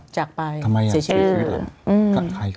จากไปชีวิตหรือทำไมใครขอโทษ